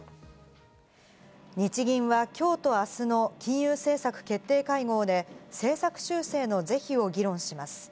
日銀はきょうとあすの金融政策決定会合で政策修正の是非を議論します。